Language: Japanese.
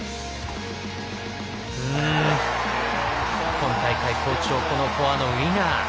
今大会好調、フォアのウイナー。